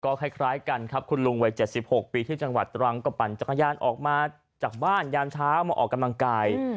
คล้ายกันครับคุณลุงวัย๗๖ปีที่จังหวัดตรังก็ปั่นจักรยานออกมาจากบ้านยามเช้ามาออกกำลังกาย